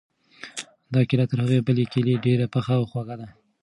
دا کیله تر هغې بلې کیلې ډېره پخه او خوږه ده.